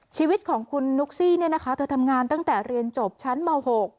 ชีวิตของคุณนุ๊กซี่เธอทำงานตั้งแต่เรียนจบชั้นม๖